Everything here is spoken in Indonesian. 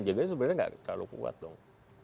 jagain sebenarnya tidak terlalu kuat dong